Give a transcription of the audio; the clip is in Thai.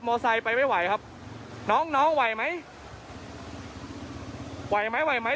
ไซค์ไปไม่ไหวครับน้องน้องไหวไหมไหวไหมไหวไหม